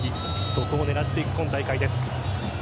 そこを狙っていく今大会です。